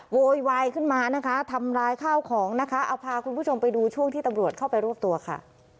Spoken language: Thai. โวยวายขึ้นมานะคะทำร้ายข้าวของนะคะเอาพาคุณผู้ชมไปดูช่วงที่ตำรวจเข้าไปรวบตัวค่ะ